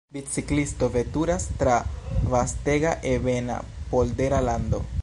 Biciklisto veturas tra vastega ebena poldera lando.